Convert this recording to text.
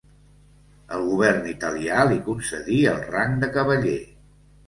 El govern italià li concedí el rang de cavaller.